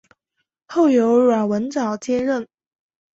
后由阮文藻接任。